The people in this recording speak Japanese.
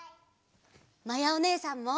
まやおねえさんも！